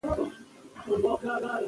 تنوع د افغانستان په طبیعت کې مهم رول لري.